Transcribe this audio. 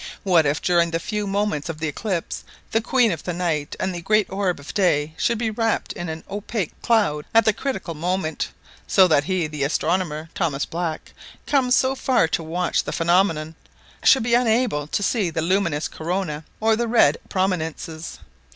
What if during the few moments of the eclipse the queen of the night and the great orb of day should be wrapped in an opaque cloud at the critical moment, so that he, the astronomer, Thomas Black, come so far to watch the phenomenon, should be unable to see the luminous corona or the red prominences!